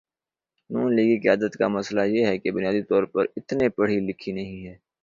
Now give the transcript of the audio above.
نون لیگی قیادت کا مسئلہ یہ ہے کہ بنیادی طور پہ اتنے پڑھی لکھی نہیں۔